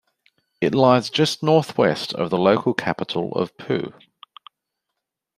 It lies just northwest of the local capital of Pau.